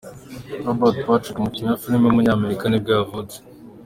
Robert Patrick, umukinnyi wa filime w’umunyamerika nibwo yavutse.